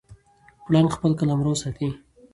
پړانګ خپل قلمرو ساتي.